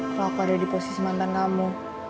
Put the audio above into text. kalau aku ada di posisi mantan kamu